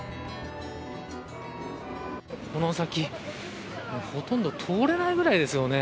この先、ほとんど通れないくらいですよね。